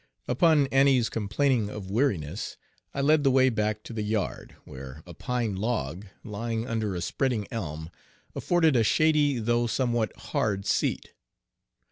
Upon Annie's complaining of weariness I led the way back to the yard, where a pine log, lying under a spreading elm, afforded a shady though somewhat hard seat.